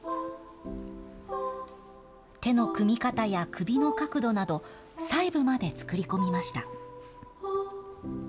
手の組み方や首の角度など、細部まで作り込みました。